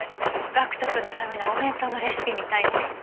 岳人くんのためのお弁当のレシピみたいね。